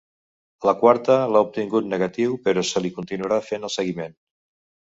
La quarta l’ha obtingut negatiu però se li continuarà fent el seguiment.